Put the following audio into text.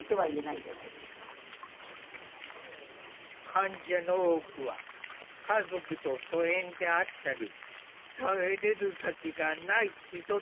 患者の多くは家族と疎遠であったり頼れる先がない人たちだ。